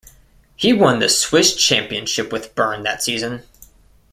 He won the Swiss championship with Bern that season.